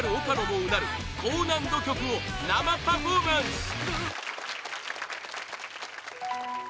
もうなる高難度曲を生パフォーマンス！